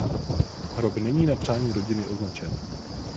Hrob není na přání rodiny označen.